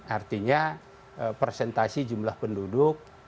artinya presentasi jumlah penduduk